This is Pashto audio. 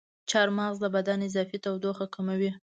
چارمغز د بدن اضافي تودوخه کموي.